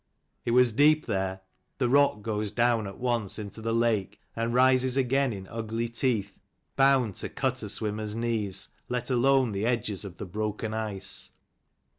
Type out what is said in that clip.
It was deep there : the rock goes down at once into the lake, and rises again in ugly teeth, bound to cut a swimmer's knees, let alone the edges of the broken ice.